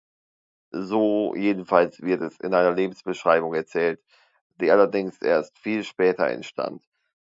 So jedenfalls wird es in einer Lebensbeschreibung erzählt, die allerdings erst viel später entstand.